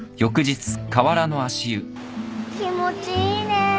気持ちいいね。